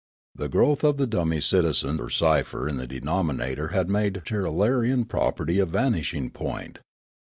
The growth of the dummy citizen or cipher in the denominator had made Tirralarian property a vanishing point.